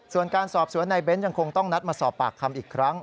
ส่วนการสอบสวนในเบ้นยังคงต้องนัดมาสอบปากคำอีกครั้ง